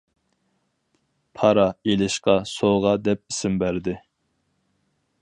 «پارا» ئېلىشقا «سوغا» دەپ ئىسىم بەردى.